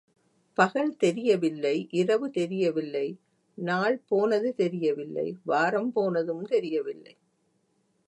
பகல் தெரியவில்லை இரவு தெரியவில்லை நாள் போனது தெரியவில்லை வாரம் போனதும் தெரியவில்லை.